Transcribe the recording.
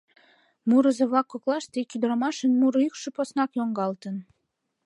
Мурызо-влак коклаште ик ӱдырамашын муро йӱкшӧ поснак йоҥгалтын.